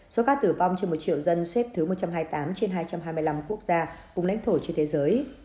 số ca tử vong trên một triệu dân xếp thứ một trăm hai mươi tám trên hai trăm hai mươi năm quốc gia vùng lãnh thổ trên thế giới